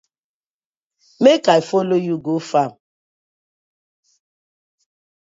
Mek I follo you go fam.